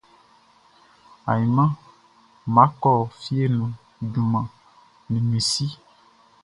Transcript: Ayinʼman nʼma kɔ fie nu juman ni mi si.